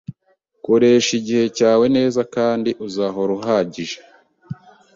Koresha igihe cyawe neza kandi uzahora uhagije